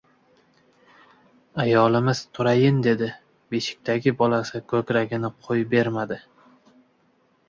Ayolimiz turayin dedi — beshikdagi bolasi ko‘kragini qo‘ybermadi.